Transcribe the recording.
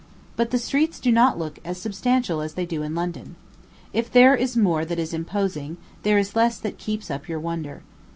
But the streets do not look as substantial as they do in London. If there is more that is imposing, there is less that keeps up your wonder.